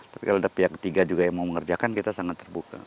tapi kalau ada pihak ketiga juga yang mau mengerjakan kita sangat terbuka